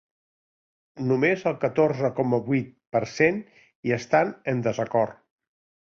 Només el catorze coma vuit per cent hi estan en desacord.